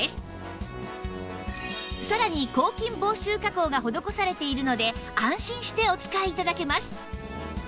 さらに抗菌防臭加工が施されているので安心してお使い頂けます